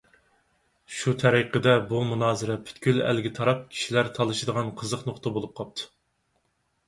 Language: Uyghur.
شۇ تەرىقىدە بۇ مۇنازىرە پۈتكۈل ئەلگە تاراپ كىشىلەر تالىشىدىغان قىزىق نۇقتا بولۇپ قاپتۇ.